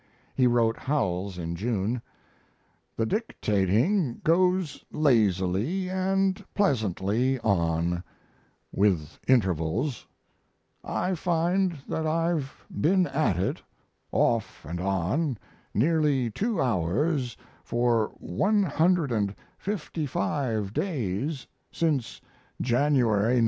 He wrote Howells in June: The dictating goes lazily and pleasantly on. With intervals. I find that I've been at it, off & on, nearly two hours for 155 days since January 9.